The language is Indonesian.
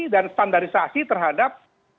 dan standarisasi terhadap